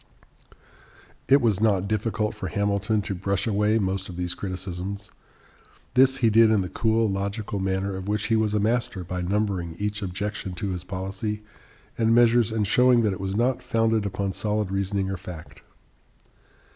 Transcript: It was not difficult for Hamilton to brush away most of these criticisms. This he did in the cool, logical manner of which he was a master by numbering each objection to his policy and measures and showing that it was not founded upon solid reasoning or fact.